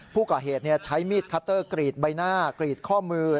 ผู้ก่อเหตุใช้มีดคัตเตอร์กรีดใบหน้ากรีดข้อมือ